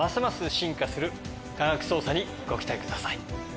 進化する科学捜査にご期待ください。